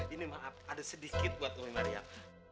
ini maaf ada sedikit buat umi marian